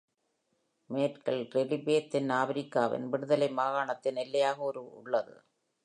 மேற்கில், லெரிபே தென் ஆப்ரிக்காவின் விடுதலை மாகாணத்தின் எல்லையாக உள்ளது.